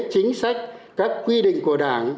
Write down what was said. chính sách các quy định của đảng